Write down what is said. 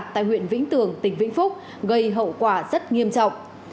tại huyện vĩnh tường tỉnh vĩnh phúc gây hậu quả rất nghiêm trọng